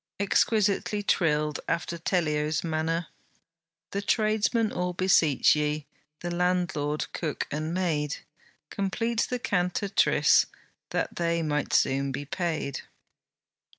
Exquisitely trilled, after Tellio's manner, 'The tradesmen all beseech ye, The landlord, cook and maid, Complete THE CANTATRICE, That they may soon be paid.'